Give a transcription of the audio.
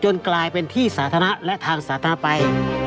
กลายเป็นที่สาธารณะและทางสาธารณะไป